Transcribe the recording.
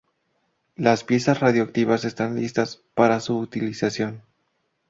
Las piezas radioactivas están listas para su utilización.